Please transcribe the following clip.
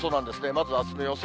まずあすの予想